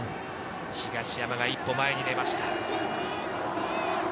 東山が一歩前に出ました。